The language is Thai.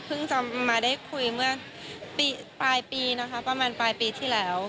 จะมาได้คุยเมื่อปลายปีนะคะประมาณปลายปีที่แล้ว